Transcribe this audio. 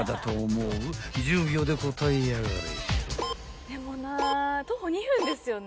［１０秒で答えやがれ］